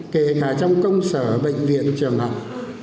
kể cả trong công sở bệnh viện trường học